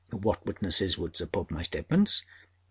What witnesses would support my statements?